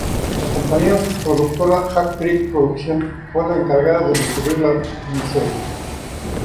La compañía productora "Hat Trick Productions" fue la encargada de distribuir la miniserie.